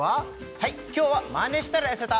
はい今日は「マネしたらやせた！